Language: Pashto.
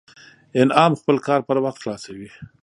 انعام خپل کار پر وخت خلاصوي